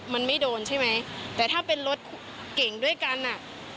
มันไม่โดนใช่ไหมแต่ถ้าเป็นรถเก่งด้วยกันอ่ะ